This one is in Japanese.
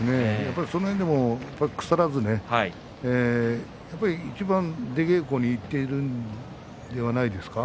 その辺でも腐らずにやっぱり、いちばん出稽古に行っているのではないですか。